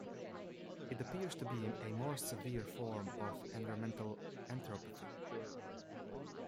It appears to be a more severe form of environmental enteropathy.